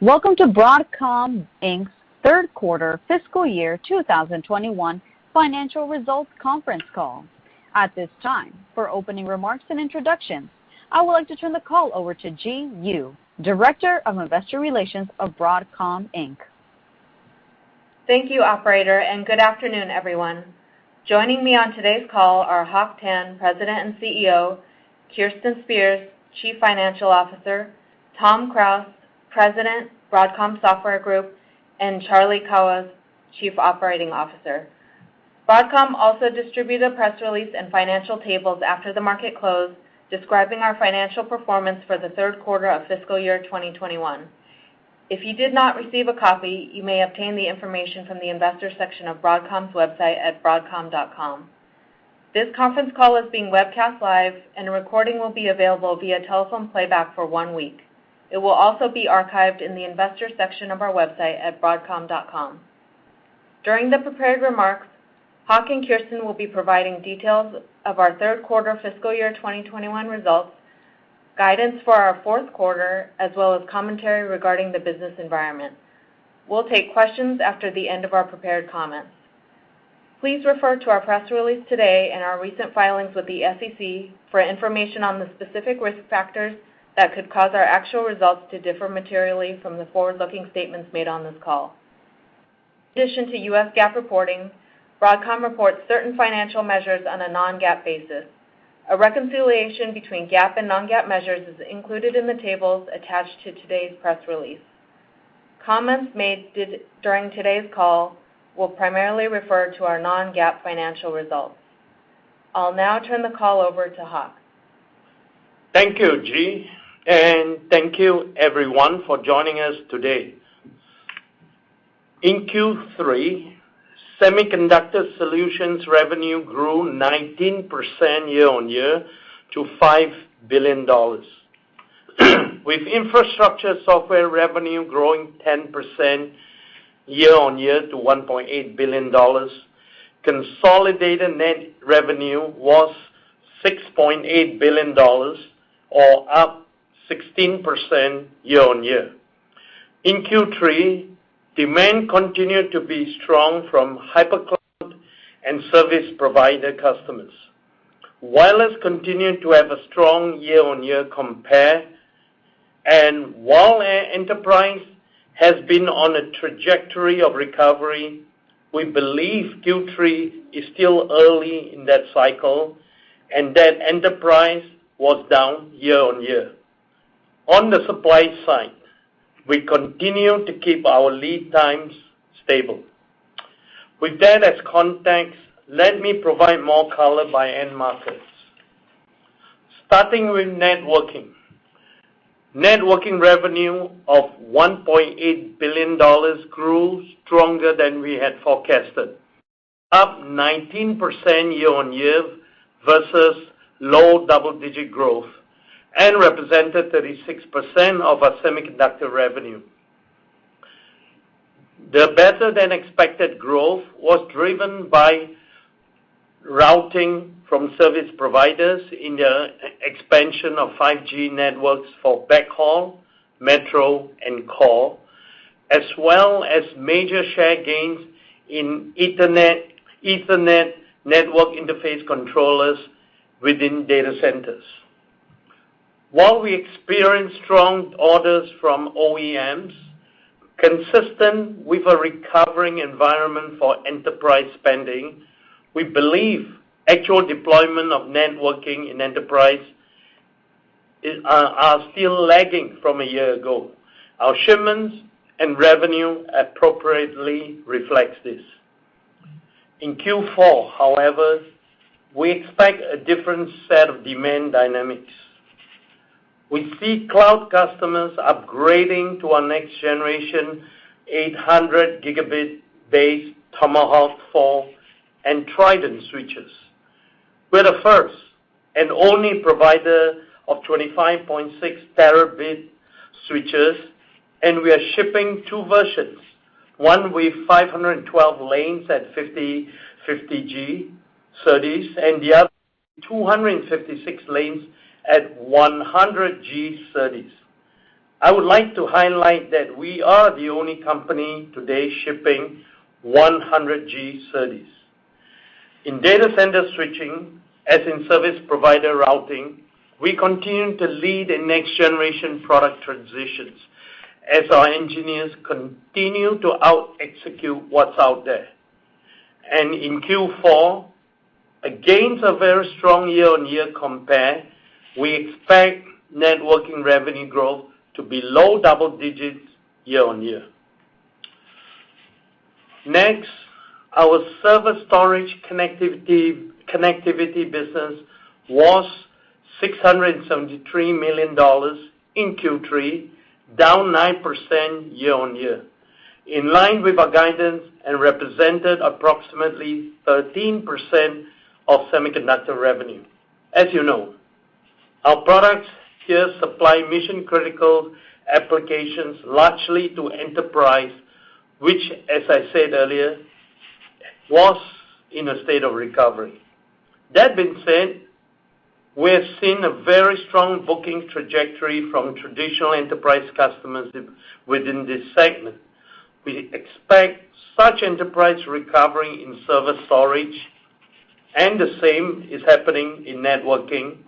Welcome to Broadcom Inc.'s third quarter fiscal year 2021 financial results conference call. At this time, for opening remarks and introductions, I would like to turn the call over to Ji Yoo, Director of Investor Relations of Broadcom Inc. Thank you, operator, and good afternoon, everyone. Joining me on today's call are Hock Tan, President and CEO, Kirsten Spears, Chief Financial Officer, Tom Krause, President, Broadcom Software Group, and Charlie Kawwas, Chief Operating Officer. Broadcom also distributed a press release and financial tables after the market closed describing our financial performance for the third quarter of fiscal year 2021. If you did not receive a copy, you may obtain the information from the investors section of Broadcom's website at broadcom.com. This conference call is being webcast live, and a recording will be available via telephone playback for one week. It will also be archived in the investors section of our website at broadcom.com. During the prepared remarks, Hock and Kirsten will be providing details of our third quarter fiscal year 2021 results, guidance for our fourth quarter, as well as commentary regarding the business environment. We'll take questions after the end of our prepared comments. Please refer to our press release today and our recent filings with the SEC for information on the specific risk factors that could cause our actual results to differ materially from the forward-looking statements made on this call. In addition to U.S. GAAP reporting, Broadcom reports certain financial measures on a non-GAAP basis. A reconciliation between GAAP and non-GAAP measures is included in the tables attached to today's press release. Comments made during today's call will primarily refer to our non-GAAP financial results. I'll now turn the call over to Hock. Thank you, Ji, and thank you everyone for joining us today. In Q3, Semiconductor Solutions revenue grew 19% year-on-year to $5 billion. With infrastructure software revenue growing 10% year-on-year to $1.8 billion, consolidated net revenue was $6.8 billion or up 16% year-on-year. In Q3, demand continued to be strong from hypercloud and service provider customers. Wireless continued to have a strong year-on-year compare, and while enterprise has been on a trajectory of recovery, we believe Q3 is still early in that cycle and that enterprise was down year-on-year. On the supply side, we continue to keep our lead times stable. With that as context, let me provide more color by end markets. Starting with networking. Networking revenue of $1.8 billion grew stronger than we had forecasted, up 19% year-on-year versus low double-digit growth and represented 36% of our semiconductor revenue. The better than expected growth was driven by routing from service providers in the expansion of 5G networks for backhaul, metro, and core, as well as major share gains in Ethernet network interface controllers within data centers. While we experienced strong orders from OEMs, consistent with a recovering environment for enterprise spending, we believe actual deployment of networking in enterprise are still lagging from a year ago. Our shipments and revenue appropriately reflects this. In Q4, however, we expect a different set of demand dynamics. We see cloud customers upgrading to our next generation 800 Gb based Tomahawk 4 and Trident switches. We're the first and only provider of 25.6 Terabit switches, and we are shipping two versions, one with 512 lanes at 50G SerDes and the other 256 lanes at 100G SerDes. I would like to highlight that we are the only company today shipping 100G SerDes. In data center switching, as in service provider routing, we continue to lead in next generation product transitions as our engineers continue to out-execute what's out there. In Q4, against a very strong year-on-year compare, we expect networking revenue growth to be low double digits year-on-year. Next, our server storage connectivity business was $673 million in Q3, down 9% year-on-year, in line with our guidance and represented approximately 13% of semiconductor revenue. As you know, our products here supply mission critical applications largely to enterprise, which as I said earlier was in a state of recovery. That being said, we have seen a very strong booking trajectory from traditional enterprise customers within this segment. We expect such enterprise recovery in server storage, and the same is happening in networking,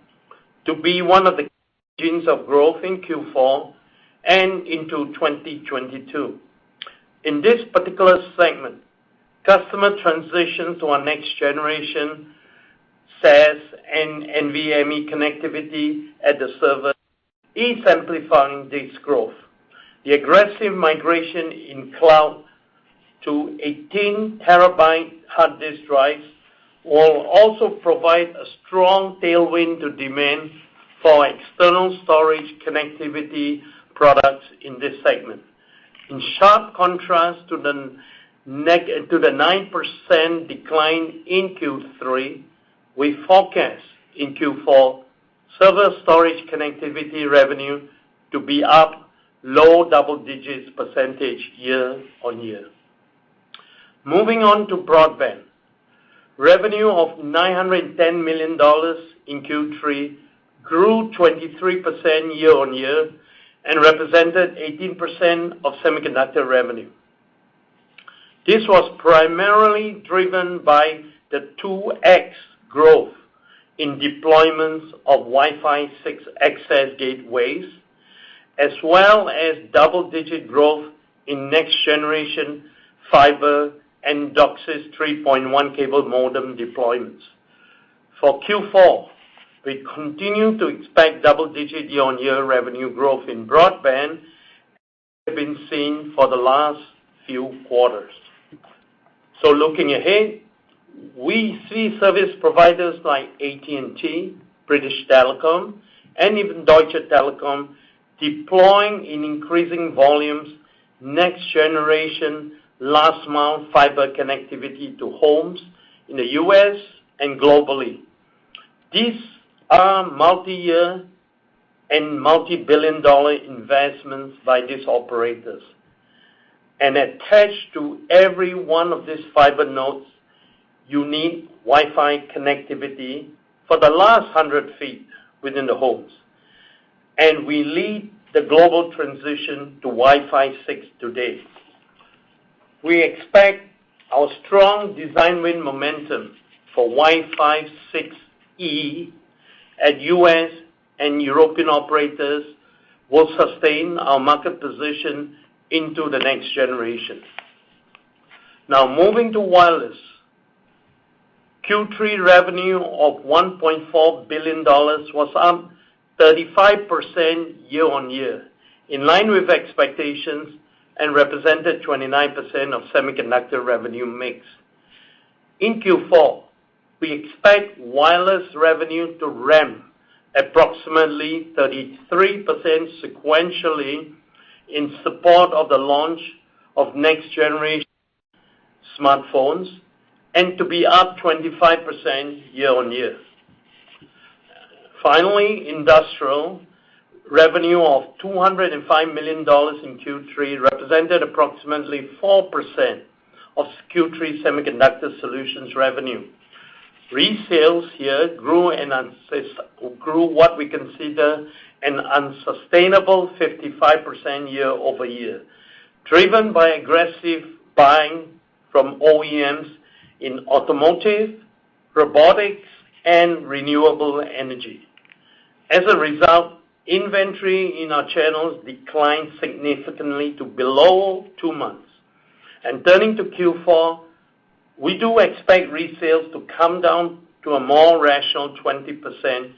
to be one of the engines of growth in Q4 and into 2022. In this particular segment, customer transition to our next generation SAS and NVMe connectivity at the server is amplifying this growth. The aggressive migration in cloud to 18 terabyte hard disk drives will also provide a strong tailwind to demand for external storage connectivity products in this segment. In sharp contrast to the 9% decline in Q3, we forecast in Q4 server storage connectivity revenue to be up low double digits percentage year-on-year. Moving on to broadband. Revenue of $910 million in Q3 grew 23% year-on-year and represented 18% of semiconductor revenue. This was primarily driven by the 2x growth in deployments of Wi-Fi 6 access gateways, as well as double-digit growth in next generation fiber and DOCSIS 3.1 cable modem deployments. For Q4, we continue to expect double-digit year-on-year revenue growth in broadband as has been seen for the last few quarters. Looking ahead, we see service providers like AT&T, British Telecom, and even Deutsche Telekom deploying in increasing volumes next generation last mile fiber connectivity to homes in the U.S. and globally. These are multi-year and multi-billion dollar investments by these operators. Attached to every one of these fiber nodes, you need Wi-Fi connectivity for the last 100 ft within the homes. We lead the global transition to Wi-Fi 6 today. We expect our strong design win momentum for Wi-Fi 6E at U.S. and European operators will sustain our market position into the next generation. Moving to wireless. Q3 revenue of $1.4 billion was up 35% year-on-year, in line with expectations and represented 29% of semiconductor revenue mix. In Q4, we expect wireless revenue to ramp approximately 33% sequentially in support of the launch of next-generation smartphones and to be up 25% year-on-year. Finally, industrial revenue of $205 million in Q3 represented approximately 4% of Q3 Semiconductor Solutions revenue. Resales here grew what we consider an unsustainable 55% year-over-year, driven by aggressive buying from OEMs in automotive, robotics, and renewable energy. As a result, inventory in our channels declined significantly to below two months. Turning to Q4, we do expect resales to come down to a more rational 20%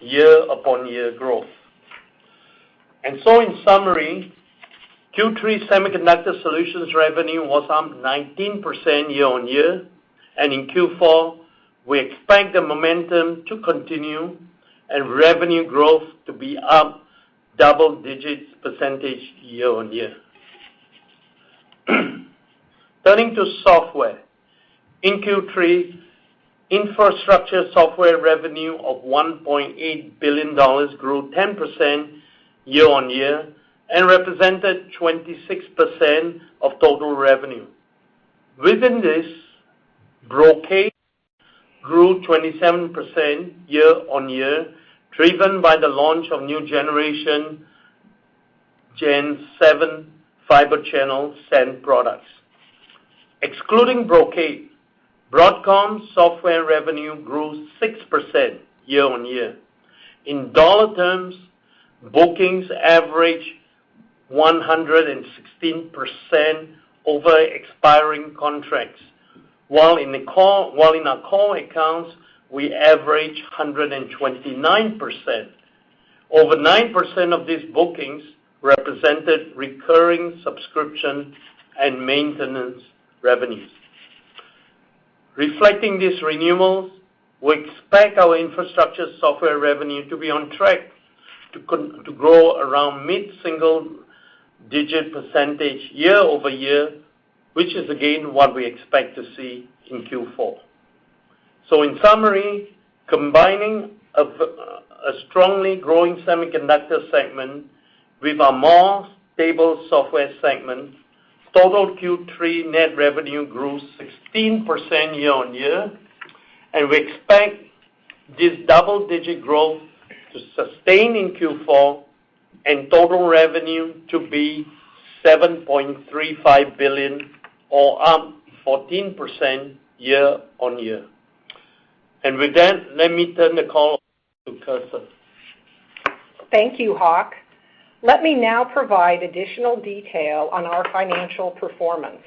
year-upon-year growth. In summary, Q3 Semiconductor Solutions revenue was up 19% year-on-year, and in Q4, we expect the momentum to continue and revenue growth to be up double-digits percentage year-on-year. Turning to software. In Q3, infrastructure software revenue of $1.8 billion grew 10% year-on-year and represented 26% of total revenue. Within this, Brocade grew 27% year-on-year, driven by the launch of new generation Gen 7 Fibre Channel SAN products. Excluding Brocade, Broadcom software revenue grew 6% year-on-year. In dollar terms, bookings average 116% over expiring contracts, while in our core accounts, we average 129%. Over 9% of these bookings represented recurring subscription and maintenance revenues. Reflecting these renewals, we expect our infrastructure software revenue to be on track to grow around mid-single digit percentage year-over-year, which is again what we expect to see in Q4. In summary, combining a strongly growing semiconductor segment with a more stable software segment, total Q3 net revenue grew 16% year-on-year, and we expect this double-digit growth to sustain in Q4 and total revenue to be $7.35 billion, or up 14% year-on-year. With that, let me turn the call over to Kirsten. Thank you, Hock. Let me now provide additional detail on our financial performance.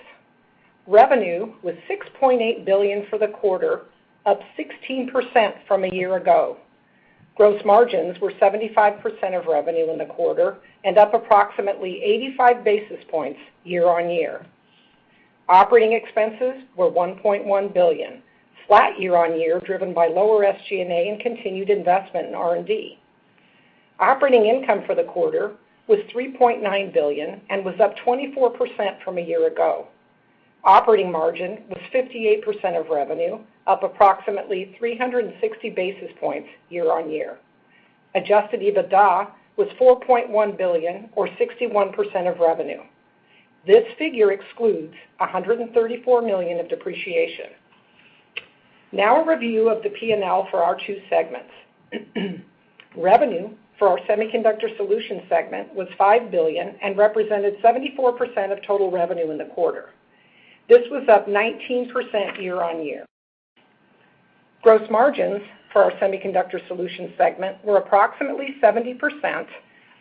Revenue was $6.8 billion for the quarter, up 16% year-on-year. Gross margins were 75% of revenue in the quarter and up approximately 85 basis points year-on-year. Operating expenses were $1.1 billion, flat year-on-year, driven by lower SG&A and continued investment in R&D. Operating income for the quarter was $3.9 billion and was up 24% year-on-year. Operating margin was 58% of revenue, up approximately 360 basis points year-on-year. Adjusted EBITDA was $4.1 billion or 61% of revenue. This figure excludes $134 million of depreciation. Now a review of the P&L for our two segments. Revenue for our Semiconductor Solutions segment was $5 billion and represented 74% of total revenue in the quarter. This was up 19% year-on-year. Gross margins for our Semiconductor Solutions segment were approximately 70%,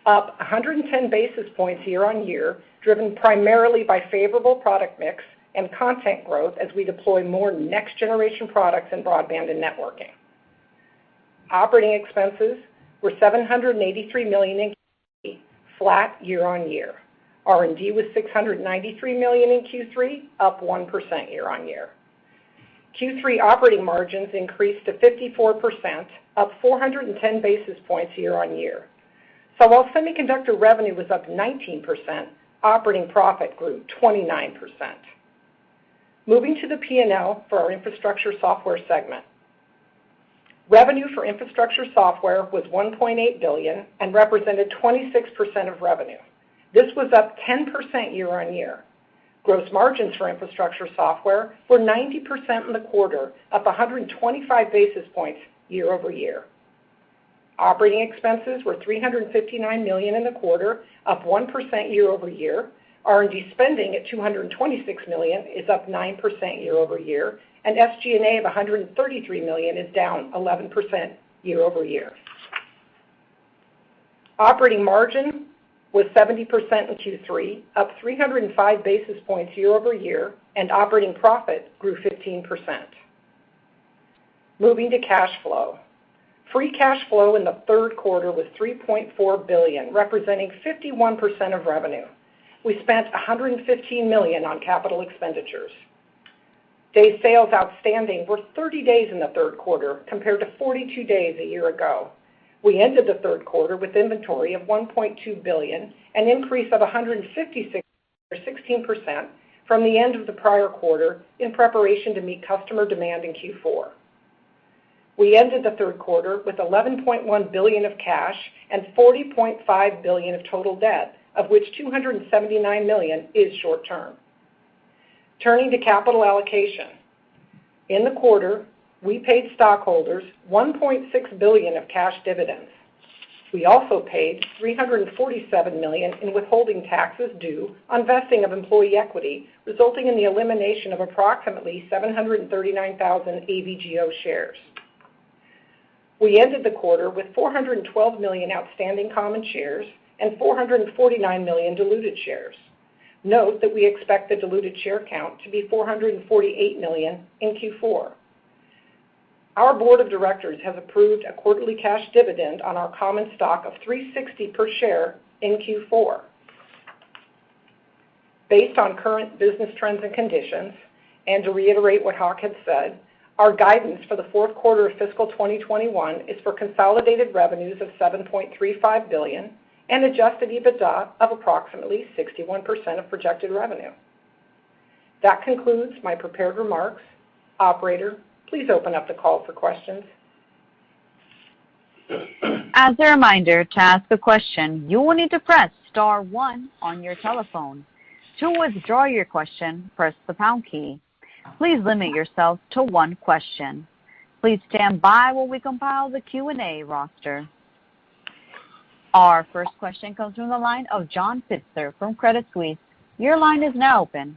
up 110 basis points year-over-year, driven primarily by favorable product mix and content growth as we deploy more next-generation products in broadband and networking. Operating expenses were $783 million in Q3, flat year-over-year. R&D was $693 million in Q3, up 1% year-over-year. Q3 operating margins increased to 54%, up 410 basis points year-over-year. While semiconductor revenue was up 19%, operating profit grew 29%. Moving to the P&L for our Infrastructure Software segment. Revenue for Infrastructure Software was $1.8 billion and represented 26% of revenue. This was up 10% year-over-year. Gross margins for Infrastructure Software were 90% in the quarter, up 125 basis points year-over-year. Operating expenses were $359 million in the quarter, up 1% year-over-year. R&D spending at $226 million is up 9% year-over-year, and SG&A of $133 million is down 11% year-over-year. Operating margin was 70% in Q3, up 305 basis points year-over-year, and operating profit grew 15%. Moving to cash flow. Free cash flow in the third quarter was $3.4 billion, representing 51% of revenue. We spent $115 million on capital expenditures. Days sales outstanding were 30 days in the third quarter, compared to 42 days a year ago. We ended the third quarter with inventory of $1.2 billion, an increase of $156 million or 16% from the end of the prior quarter in preparation to meet customer demand in Q4. We ended the third quarter with $11.1 billion of cash and $40.5 billion of total debt, of which $279 million is short term. Turning to capital allocation. In the quarter, we paid stockholders $1.6 billion of cash dividends. We also paid $347 million in withholding taxes due on vesting of employee equity, resulting in the elimination of approximately 739,000 AVGO shares. We ended the quarter with 412 million outstanding common shares and 449 million diluted shares. Note that we expect the diluted share count to be 448 million in Q4. Our board of directors has approved a quarterly cash dividend on our common stock of $3.60 per share in Q4. Based on current business trends and conditions, and to reiterate what Hock had said, our guidance for the fourth quarter of fiscal 2021 is for consolidated revenues of $7.35 billion and adjusted EBITDA of approximately 61% of projected revenue. That concludes my prepared remarks. Operator, please open up the call for questions. As a reminder to ask a question you will need to press star one key on your telephone, to withdraw your question press the pound key. Please limit yourself to one question. Please, stand by while we compile the Q&A roster. Our first question comes from the line of John Pitzer from Credit Suisse your line is now open.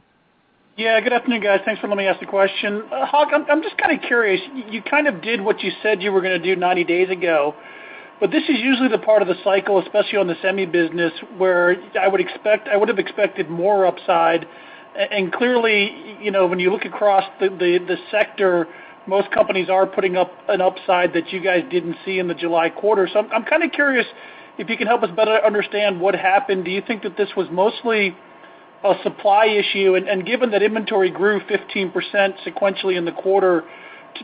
Good afternoon, guys. Thanks for letting me ask the question. Hock, I'm just kind of curious. You kind of did what you said you were going to do 90 days ago, but this is usually the part of the cycle, especially on the semi business, where I would have expected more upside. Clearly, when you look across the sector, most companies are putting up an upside that you guys didn't see in the July quarter. I'm kind of curious if you can help us better understand what happened. Do you think that this was mostly a supply issue? Given that inventory grew 15% sequentially in the quarter,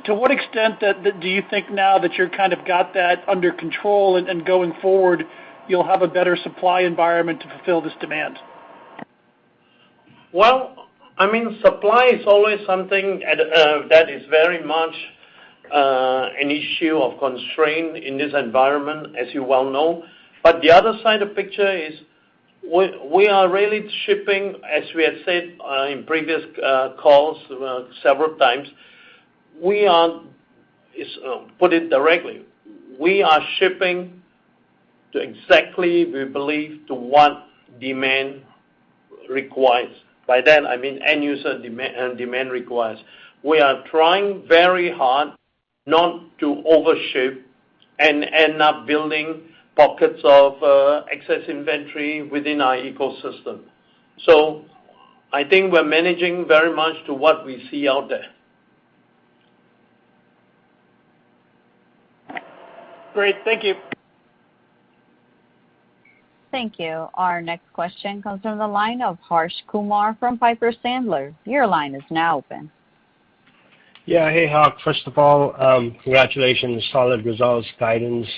to what extent do you think now that you're kind of got that under control and going forward, you'll have a better supply environment to fulfill this demand? Well, supply is always something that is very much an issue of constraint in this environment, as you well know. The other side of the picture is we are really shipping, as we have said in previous calls several times. To put it directly, we are shipping to exactly, we believe, to what demand requires. By that, I mean end user demand requires. We are trying very hard not to overship and end up building pockets of excess inventory within our ecosystem. I think we're managing very much to what we see out there. Great. Thank you. Thank you. Our next question comes from the line of Harsh Kumar from Piper Sandler. Your line is now open. Hey, Hock. First of all, congratulations on the solid results guidance.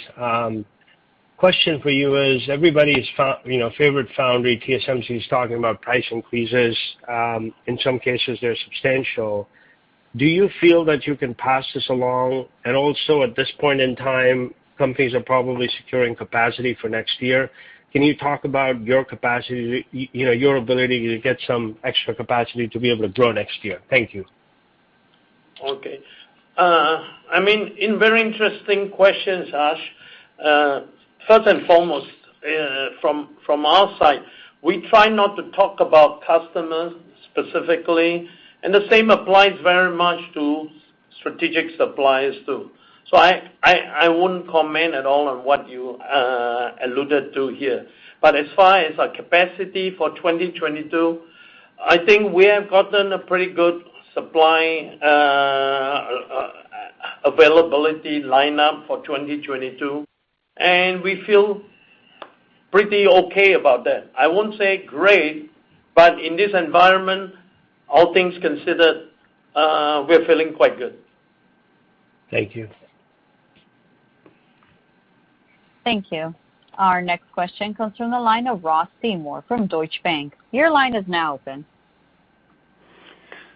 Question for you is, everybody's favorite foundry, TSMC, is talking about price increases. In some cases, they're substantial. Do you feel that you can pass this along? Also, at this point in time, companies are probably securing capacity for next year. Can you talk about your ability to get some extra capacity to be able to grow next year? Thank you. Okay. Very interesting question, Harsh. First and foremost, from our side, we try not to talk about customers specifically, and the same applies very much to strategic suppliers, too. I won't comment at all on what you alluded to here. As far as our capacity for 2022, I think we have gotten a pretty good supply availability lineup for 2022, and we feel pretty okay about that. I won't say great, but in this environment, all things considered, we're feeling quite good. Thank you. Thank you. Our next question comes from the line of Ross Seymore from Deutsche Bank. Your line is now open.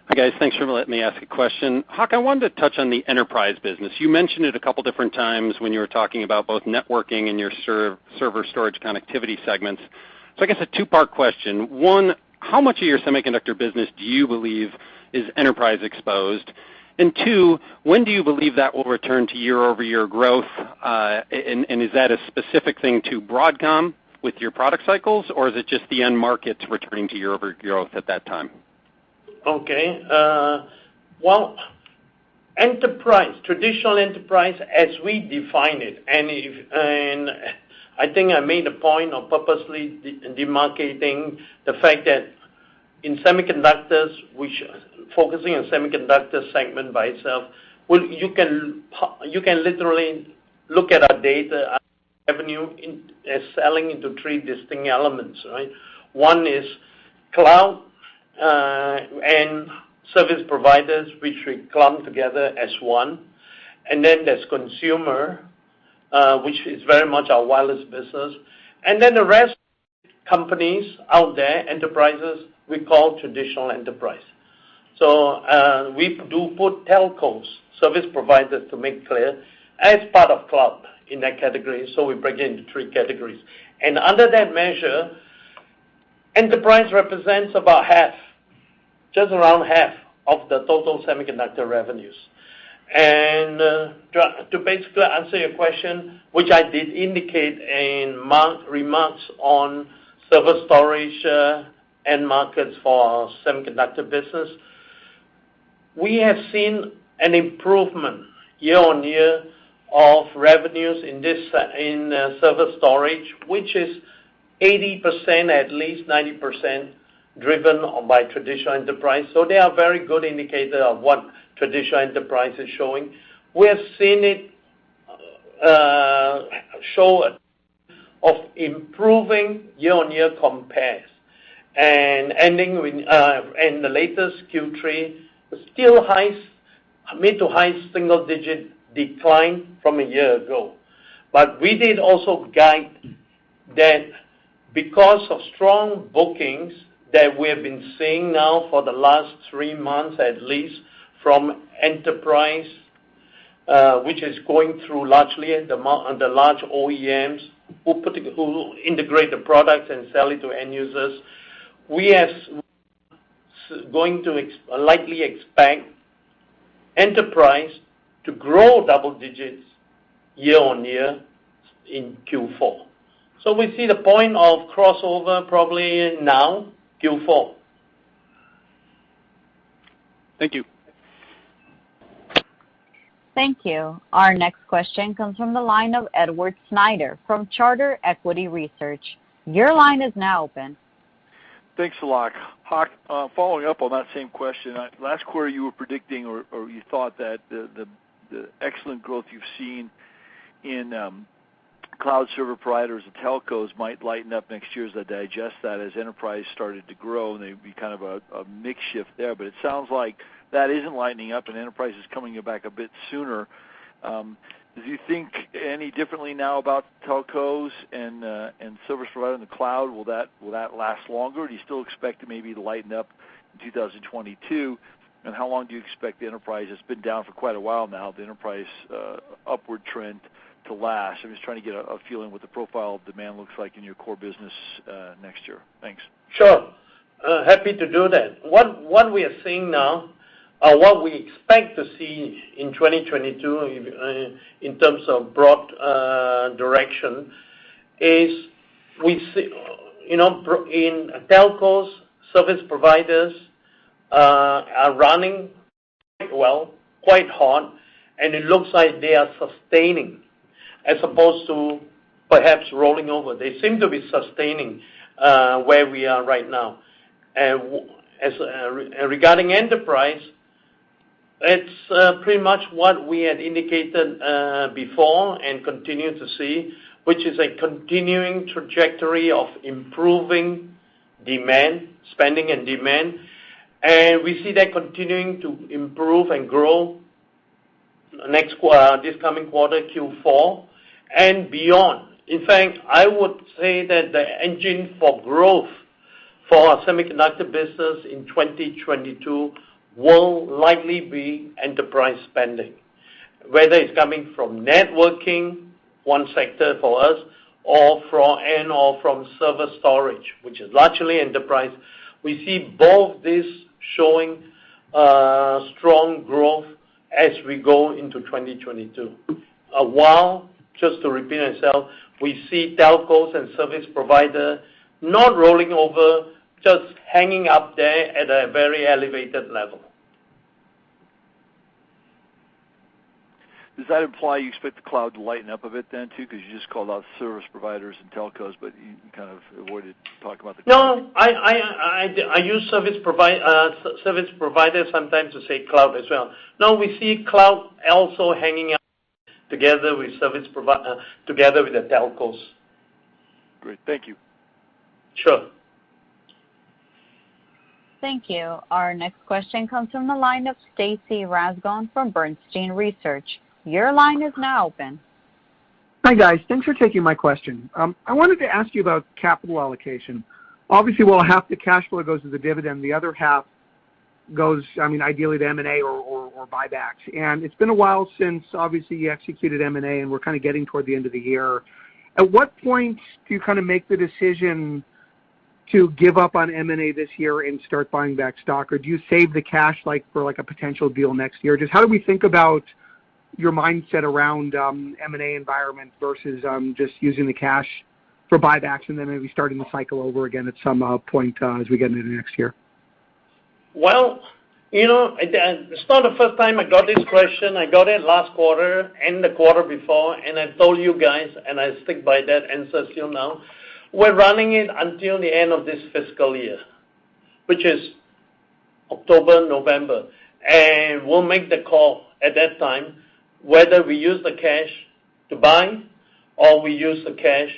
Hi, guys. Thanks for letting me ask a question. Hock, I wanted to touch on the enterprise business. You mentioned it a couple different times when you were talking about both networking and your server storage connectivity segments. I guess a two-part question. One, how much of your semiconductor business do you believe is enterprise exposed? Two, when do you believe that will return to year-over-year growth? Is that a specific thing to Broadcom with your product cycles, or is it just the end markets returning to year-over-year growth at that time? Well, traditional enterprise, as we define it, I think I made a point of purposely demarketing the fact that in semiconductors, focusing on semiconductor segment by itself, you can literally look at our data, our revenue as selling into three distinct elements. One is cloud and service providers, which we clump together as one. There's consumer, which is very much our wireless business. The rest companies out there, enterprises, we call traditional enterprise. We do put telcos, service providers, to make clear, as part of cloud in that category. We break it into three categories. Under that measure, enterprise represents about half, just around half of the total semiconductor revenues. To basically answer your question, which I did indicate in remarks on server storage end markets for our semiconductor business, we have seen an improvement year-on-year of revenues in server storage, which is 80%, at least 90% driven by traditional enterprise. They are a very good indicator of what traditional enterprise is showing. We have seen it show of improving year-on-year compares. Ending in the latest Q3, still mid to high single digit decline from a year ago. We did also guide that because of strong bookings that we have been seeing now for the last three months, at least from enterprise, which is going through largely the large OEMs who integrate the products and sell it to end users. We are going to likely expect enterprise to grow double digits year-on-year in Q4. We see the point of crossover probably now, Q4. Thank you. Thank you. Our next question comes from the line of Edward Snyder from Charter Equity Research. Your line is now open. Thanks a lot. Hock, following up on that same question. Last quarter, you were predicting, or you thought that the excellent growth you've seen in cloud server providers and telcos might lighten up next year as they digest that as enterprise started to grow, and there'd be a mix shift there. It sounds like that isn't lightening up and enterprise is coming back a bit sooner. Do you think any differently now about telcos and service provider in the cloud? Will that last longer, or do you still expect it maybe to lighten up in 2022? How long do you expect the enterprise that's been down for quite a while now, the enterprise upward trend to last? I'm just trying to get a feeling what the profile of demand looks like in your core business next year. Thanks. Sure. Happy to do that. What we are seeing now, what we expect to see in 2022 in terms of broad direction is, in telcos, service providers are running quite well, quite hot, and it looks like they are sustaining as opposed to perhaps rolling over. They seem to be sustaining where we are right now. Regarding enterprise, it's pretty much what we had indicated before and continue to see, which is a continuing trajectory of improving demand, spending and demand. We see that continuing to improve and grow this coming quarter, Q4, and beyond. In fact, I would say that the engine for growth for our semiconductor business in 2022 will likely be enterprise spending, whether it's coming from networking, one sector for us, and/or from server storage, which is largely enterprise. We see both these showing strong growth as we go into 2022. Just to repeat myself, we see telcos and service provider not rolling over, just hanging up there at a very elevated level. Does that imply you expect the cloud to lighten up a bit then too? Because you just called out service providers and telcos, but you kind of avoided talking about the cloud. No, I use service providers sometimes to say cloud as well. No, we see cloud also hanging out together with the telcos. Great. Thank you. Sure. Thank you. Our next question comes from the line of Stacy Rasgon from Bernstein Research. Your line is now open. Hi, guys. Thanks for taking my question. I wanted to ask you about capital allocation. Obviously, while half the cash flow goes to the dividend, the other half goes, ideally, to M&A or buybacks. It's been a while since, obviously, you executed M&A, and we're kind of getting toward the end of the year. At what point do you make the decision to give up on M&A this year and start buying back stock? Do you save the cash for a potential deal next year? How do we think about your mindset around M&A environment versus just using the cash for buybacks and then maybe starting the cycle over again at some point as we get into next year? Well, it's not the first time I got this question. I got it last quarter and the quarter before, and I told you guys, and I stick by that answer still now. We're running it until the end of this fiscal year, which is October, November. We'll make the call at that time whether we use the cash to buy, or we use the cash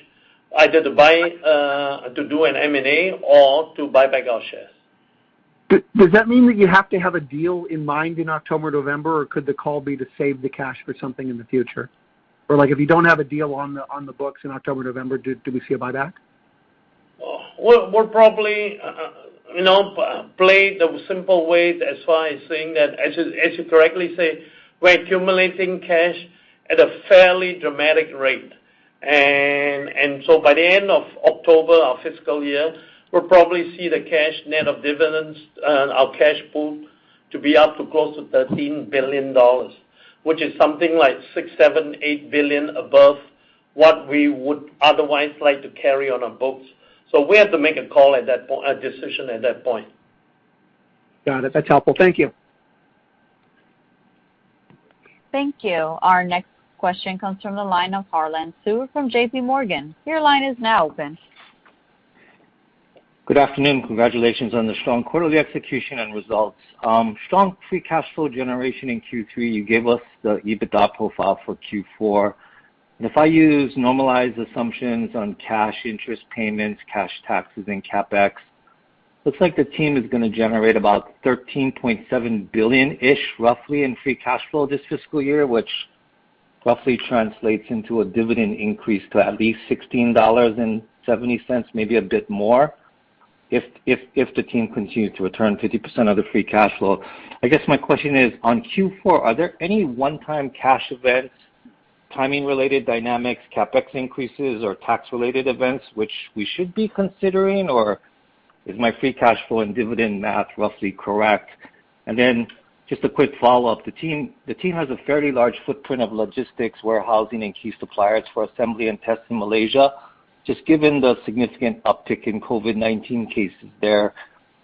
either to do an M&A or to buy back our shares. Does that mean that you have to have a deal in mind in October, November, or could the call be to save the cash for something in the future? If you don't have a deal on the books in October, November, do we see a buyback? We'll probably play the simple way as far as saying that, as you correctly say, we're accumulating cash at a fairly dramatic rate. By the end of October, our fiscal year, we'll probably see the cash net of dividends, our cash pool, to be up to close to $13 billion, which is something like $6 billion, $7 billion, $8 billion above what we would otherwise like to carry on our books. We have to make a call at that point, a decision at that point. Got it. That's helpful. Thank you. Thank you. Our next question comes from the line of Harlan Sur from JPMorgan. Your line is now open. Good afternoon. Congratulations on the strong quarterly execution and results. Strong free cash flow generation in Q3. You gave us the EBITDA profile for Q4. If I use normalized assumptions on cash interest payments, cash taxes, and CapEx, looks like the team is going to generate about $13.7 billion-ish roughly in free cash flow this fiscal year, which roughly translates into a dividend increase to at least $16.70, maybe a bit more, if the team continues to return 50% of the free cash flow. I guess my question is, on Q4, are there any one-time cash events, timing related dynamics, CapEx increases, or tax related events which we should be considering? Is my free cash flow and dividend math roughly correct? Just a quick follow-up. The team has a fairly large footprint of logistics, warehousing, and key suppliers for assembly and tests in Malaysia. Just given the significant uptick in COVID-19 cases there,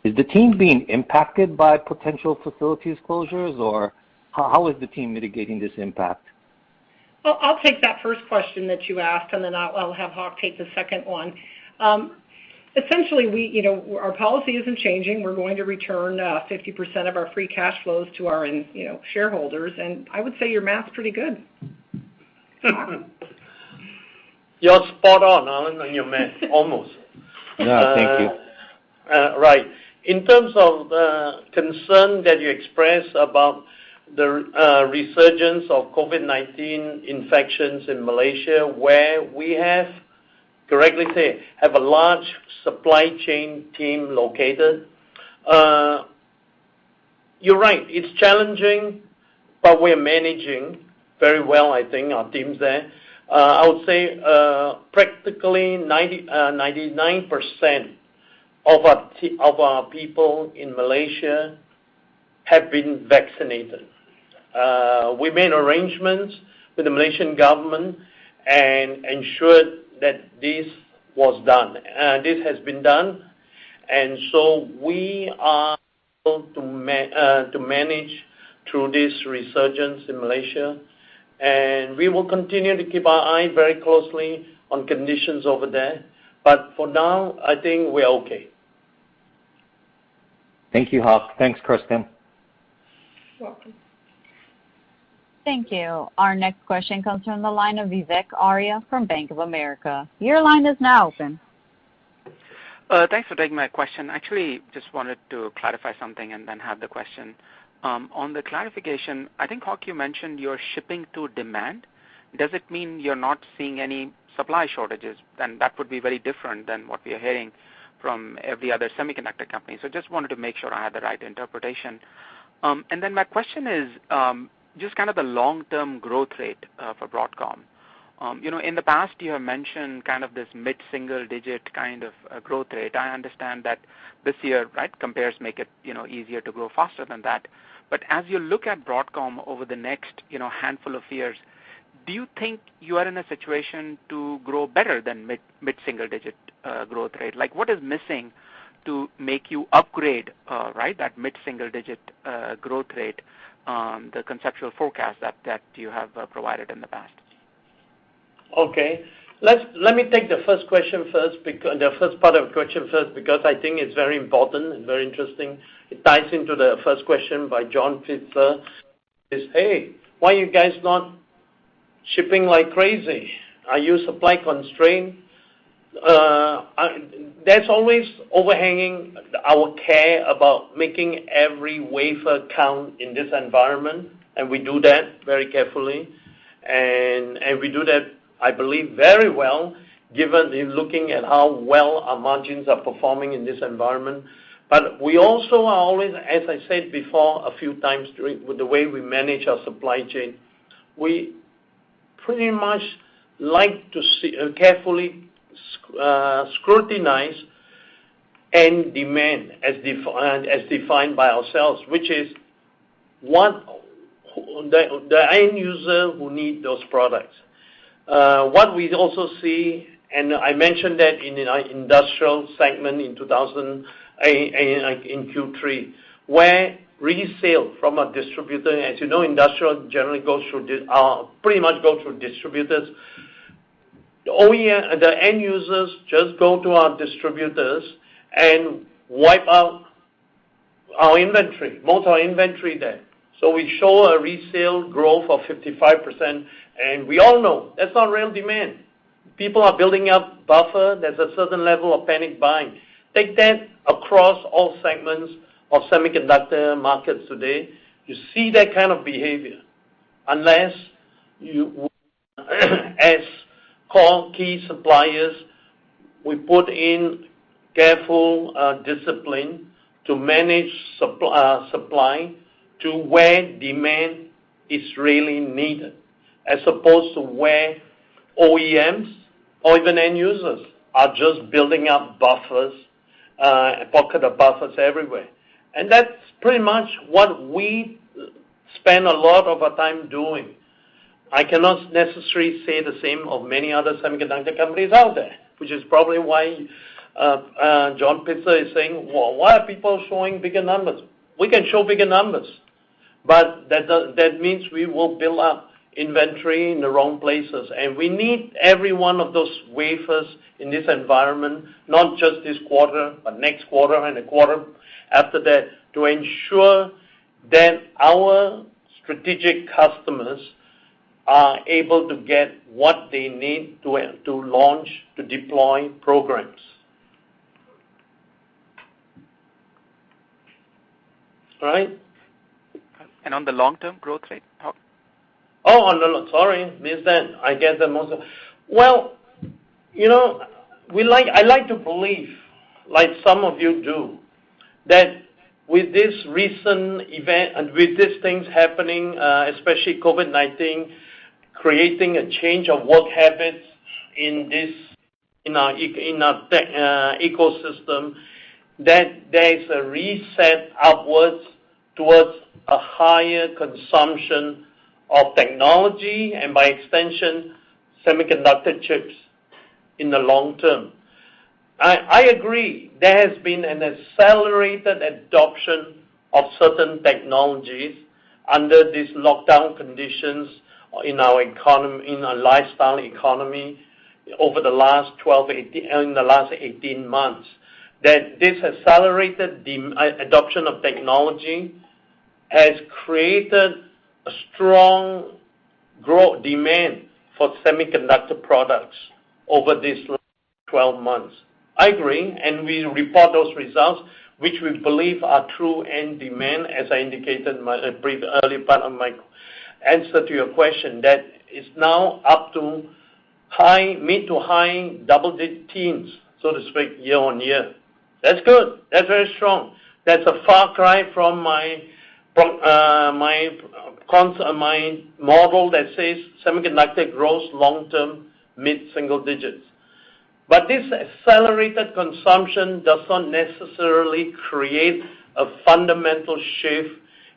is the team being impacted by potential facilities closures, or how is the team mitigating this impact? I'll take that first question that you asked, and then I'll have Hock take the second one. Essentially, our policy isn't changing. We're going to return 50% of our free cash flows to our shareholders, and I would say your math's pretty good. You're spot on on your math, almost. Yeah. Thank you. Right. In terms of the concern that you expressed about the resurgence of COVID-19 infections in Malaysia, where we have correctly said, have a large supply chain team located. You're right, it's challenging, but we are managing very well, I think, our teams there. I would say, practically 99% of our people in Malaysia have been vaccinated. We made arrangements with the Malaysian government and ensured that this has been done, and so we are able to manage through this resurgence in Malaysia, and we will continue to keep our eye very closely on conditions over there. For now, I think we are okay. Thank you, Hock. Thanks, Kirsten. You're welcome. Thank you. Our next question comes from the line of Vivek Arya from Bank of America. Your line is now open. Thanks for taking my question. I just wanted to clarify something and then have the question. On the clarification, I think, Hock, you mentioned you're shipping to demand. Does it mean you're not seeing any supply shortages? That would be very different than what we are hearing from every other semiconductor company. I just wanted to make sure I had the right interpretation. My question is, just the long-term growth rate for Broadcom. In the past, you have mentioned this mid-single-digit kind of growth rate. I understand that this year, right, compares make it easier to grow faster than that. As you look at Broadcom over the next handful of years, do you think you are in a situation to grow better than mid-single-digit growth rate? What is missing to make you upgrade that mid-single digit growth rate, the conceptual forecast that you have provided in the past? Okay. Let me take the first part of your question first because I think it's very important and very interesting. It ties into the first question by John Pitzer, is, "Hey, why are you guys not shipping like crazy? Are you supply constrained?" There's always overhanging our care about making every wafer count in this environment, and we do that very carefully. We do that, I believe, very well given in looking at how well our margins are performing in this environment. We also are always, as I said before a few times, with the way we manage our supply chain, we pretty much like to carefully scrutinize end demand as defined by ourselves, which is the end user who need those products. What we also see, I mentioned that in our industrial segment in Q3, where resale from a distributor, as you know, industrial pretty much go through distributors. The end users just go to our distributors and wipe out most of our inventory there. We show a resale growth of 55%, we all know that's not real demand. People are building up buffer. There's a certain level of panic buying. Take that across all segments of semiconductor markets today. You see that kind of behavior. Unless you as core key suppliers, we put in careful discipline to manage supply to where demand is really needed, as opposed to where OEMs or even end users are just building up buffers, pocket of buffers everywhere. That's pretty much what we spend a lot of our time doing. I cannot necessarily say the same of many other semiconductor companies out there, which is probably why John Pitzer is saying, "Well, why are people showing bigger numbers?" We can show bigger numbers, but that means we will build up inventory in the wrong places, and we need every one of those wafers in this environment, not just this quarter, but next quarter and the quarter after that, to ensure that our strategic customers are able to get what they need to launch, to deploy programs. All right? On the long-term growth rate, Hock? Sorry. Well, I like to believe, like some of you do, that with this recent event and with these things happening, especially COVID-19 creating a change of work habits in our tech ecosystem, that there is a reset upwards towards a higher consumption of technology and by extension, semiconductor chips in the long term. I agree there has been an accelerated adoption of certain technologies under these lockdown conditions in our lifestyle economy over the last 18 months. This accelerated the adoption of technology has created a strong growth demand for semiconductor products over these last 12 months. I agree, and we report those results, which we believe are true end demand, as I indicated in my brief early part of my answer to your question, that is now up to mid to high double-digit teens, so to speak, year-on-year. That's good. That's very strong. That's a far cry from my model that says semiconductor grows long-term mid-single digits. This accelerated consumption does not necessarily create a fundamental shift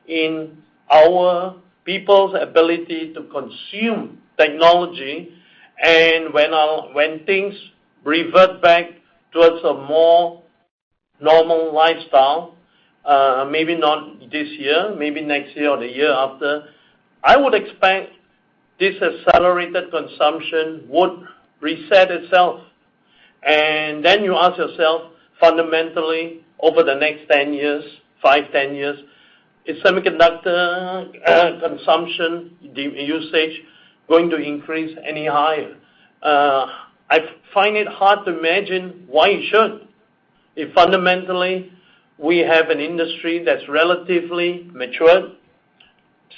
in our people's ability to consume technology. When things revert back towards a more normal lifestyle, maybe not this year, maybe next year or the year after, I would expect this accelerated consumption would reset itself. Then you ask yourself, fundamentally, over the next five, 10 years, is semiconductor consumption usage going to increase any higher? I find it hard to imagine why it should. If fundamentally, we have an industry that's relatively mature,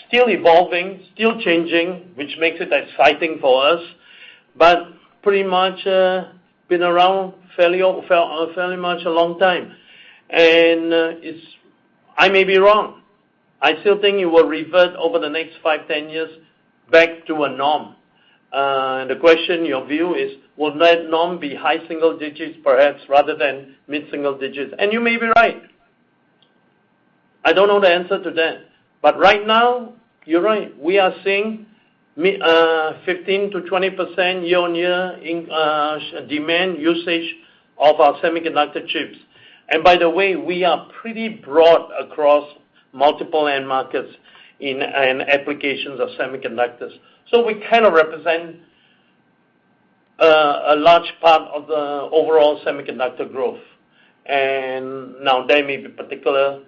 still evolving, still changing, which makes it exciting for us, but pretty much, been around fairly much a long time. I may be wrong. I still think it will revert over the next five, 10 years back to a norm. The question, your view is, will that norm be high single digits perhaps rather than mid-single digits? You may be right. I don't know the answer to that. Right now, you're right. We are seeing 15%-20% year-on-year in demand usage of our semiconductor chips. By the way, we are pretty broad across multiple end markets in applications of semiconductors. We kind of represent a large part of the overall semiconductor growth. Now there may be particular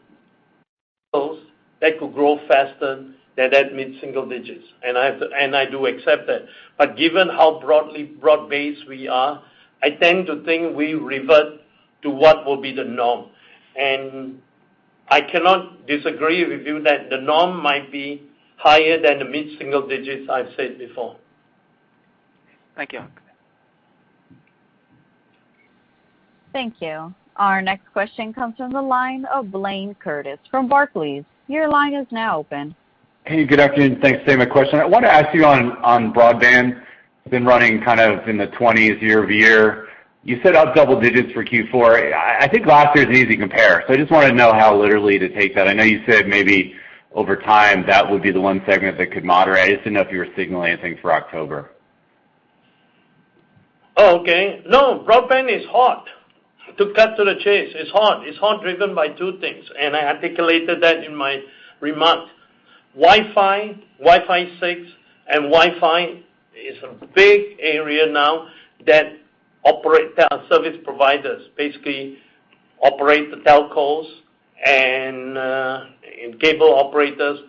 that could grow faster than that mid-single digits. I do accept that. Given how broad-based we are, I tend to think we revert to what will be the norm. I cannot disagree with you that the norm might be higher than the mid-single digits I've said before. Thank you. Thank you. Our next question comes from the line of Blayne Curtis from Barclays. Your line is now open. Hey, good afternoon. Thanks. Same question. I want to ask you on broadband. It's been running kind of in the 20s year-over-year. You said up double digits for Q4. I think last year is an easy compare. I just want to know how literally to take that. I know you said maybe over time, that would be the one segment that could moderate. I just didn't know if you were signaling anything for October. Broadband is hot. To cut to the chase, it's hot. It's hot, driven by two things, and I articulated that in my remarks. Wi-Fi, Wi-Fi 6 and Wi-Fi is a big area now that service providers basically operate the telcos, and cable operators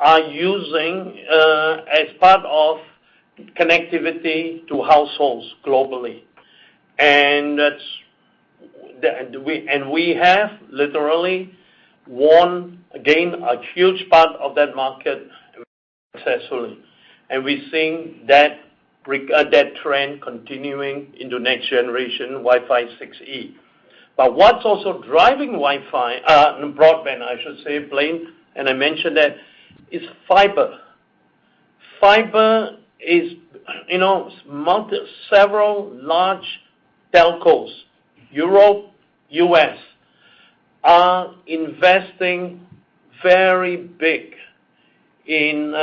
are using as part of connectivity to households globally. We have literally won, again, a huge part of that market successfully. We're seeing that trend continuing into next generation Wi-Fi 6E. What's also driving broadband, I should say, Blayne, and I mentioned that, is fiber. Fiber is, several large telcos, Europe, U.S., are investing very big in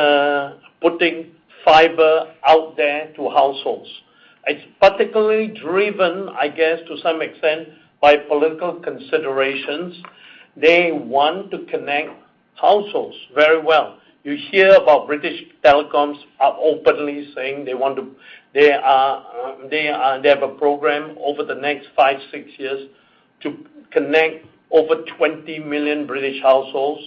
putting fiber out there to households. It's particularly driven, I guess, to some extent, by political considerations. They want to connect households very well. You hear about British telecoms are openly saying they have a program over the next five, six years to connect over 20 million British households.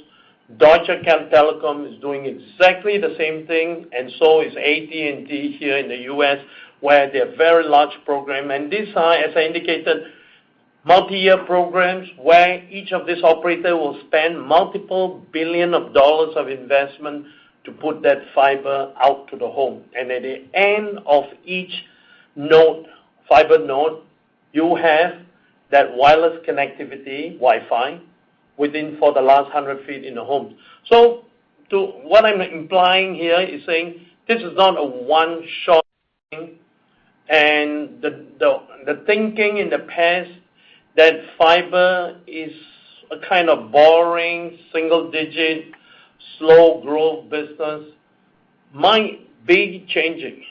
Deutsche Telekom is doing exactly the same thing, and so is AT&T here in the U.S., where they have very large program. These are, as I indicated, multi-year programs, where each of these operators will spend multiple billion of dollars of investment to put that fiber out to the home. At the end of each fiber node, you have that wireless connectivity, Wi-Fi, within for the last 100 ft in the home. What I'm implying here is saying this is not a one-shot thing, and the thinking in the past that fiber is a kind of boring, single-digit, slow growth business might be changing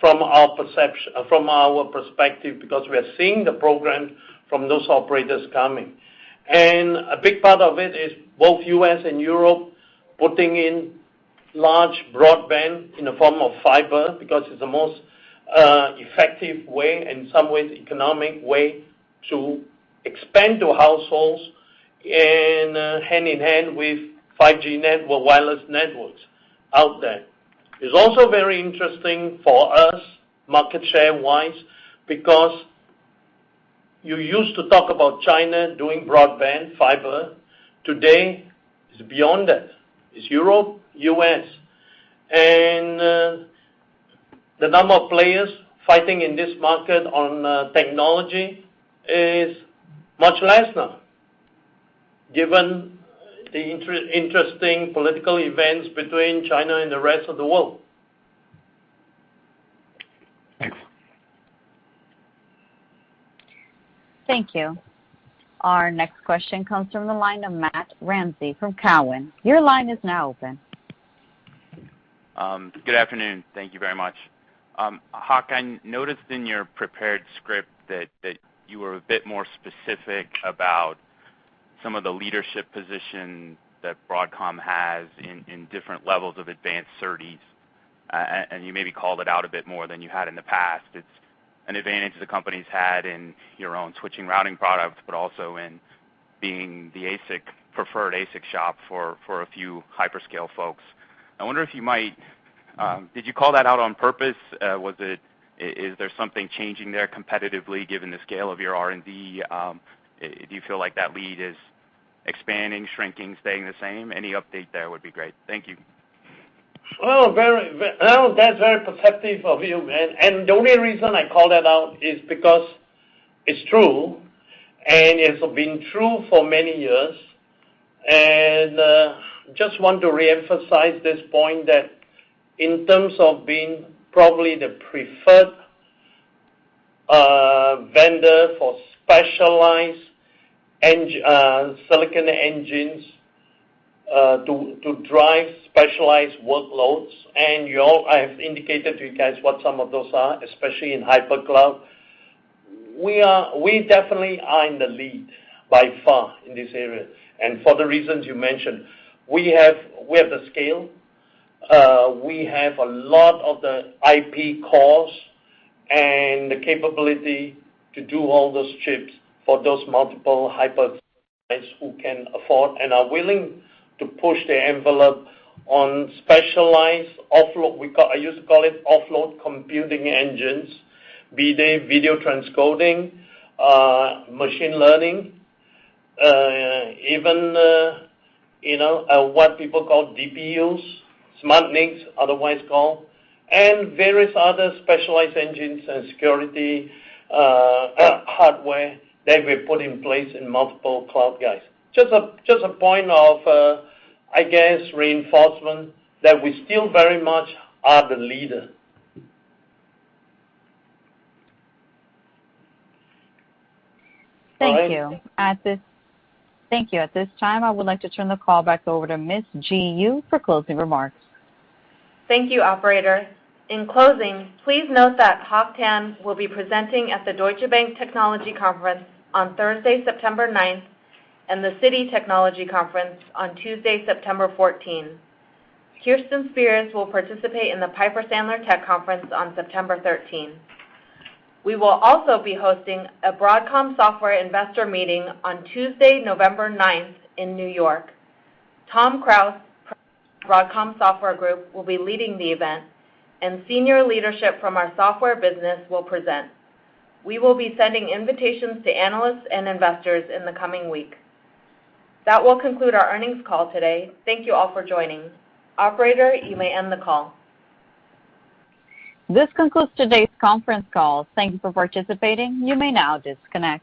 from our perspective because we are seeing the program from those operators coming. A big part of it is both U.S. and Europe putting in large broadband in the form of fiber, because it's the most effective way, in some ways, economic way to expand to households and hand-in-hand with 5G network, wireless networks out there. It's also very interesting for us, market share wise, because you used to talk about China doing broadband fiber. Today, it's beyond that. It's Europe, U.S. The number of players fighting in this market on technology is much less now, given the interesting political events between China and the rest of the world. Thanks. Thank you. Our next question comes from the line of Matthew Ramsay from Cowen. Your line is now open. Good afternoon. Thank you very much. Hock, I noticed in your prepared script that you were a bit more specific about some of the leadership position that Broadcom has in different levels of advanced SerDes, and you maybe called it out a bit more than you had in the past. It's an advantage the company's had in your own switching routing product, but also in being the preferred ASIC shop for a few hyperscale folks. I wonder if you might, did you call that out on purpose? Is there something changing there competitively given the scale of your R&D? Do you feel like that lead is expanding, shrinking, staying the same? Any update there would be great. Thank you. Oh, that's very perceptive of you. The only reason I call that out is because it's true, and it's been true for many years. Just want to reemphasize this point that in terms of being probably the preferred vendor for specialized silicon engines to drive specialized workloads. I have indicated to you guys what some of those are, especially in hypercloud. We definitely are in the lead by far in this area. For the reasons you mentioned. We have the scale, we have a lot of the IP cores, and the capability to do all those chips for those multiple hyper clients who can afford and are willing to push the envelope on specialized offload, I used to call it offload computing engines, be they video transcoding, machine learning, even what people call DPUs, smartNICs, otherwise called, and various other specialized engines and security hardware that we put in place in multiple cloud guys. Just a point of, I guess, reinforcement that we still very much are the leader. Thank you. At this time, I would like to turn the call back over to Ms. Ji Yoo for closing remarks. Thank you, operator. In closing, please note that Hock Tan will be presenting at the Deutsche Bank Technology Conference on Thursday, September 9th, 2021 and the Citi Technology Conference on Tuesday, September 14th, 2021. Kirsten Spears will participate in the Piper Sandler Tech Conference on September 13th, 2021. We will also be hosting a Broadcom Software investor meeting on Tuesday, November 9th, 2021 in New York. Tom Krause, Broadcom Software Group, will be leading the event, and senior leadership from our software business will present. We will be sending invitations to analysts and investors in the coming week. That will conclude our earnings call today. Thank you all for joining. Operator, you may end the call. This concludes today's conference call. Thank you for participating. You may now disconnect.